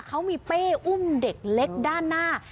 เขามีเป้อุ้มเด็กเล็กด้านหน้า